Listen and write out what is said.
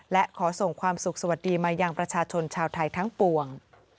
และขอส่งความสุขสวัสดีมายังประชาชนชาวไทยทั้งปวง